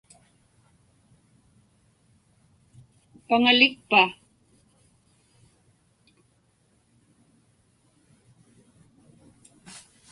Paŋalikpa?